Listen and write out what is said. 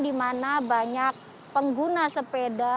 dimana banyak pengguna sepeda